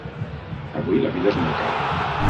Avui la vida és molt cara.